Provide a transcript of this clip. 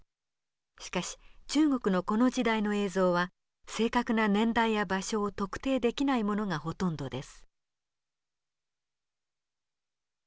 しかし中国のこの時代の映像は正確な年代や場所を特定できないものがほとんどです。